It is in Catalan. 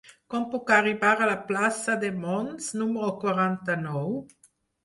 Com puc arribar a la plaça de Mons número quaranta-nou?